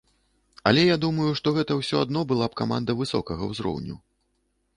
Але я думаю, што гэта ўсё адно была б каманда высокага ўзроўню.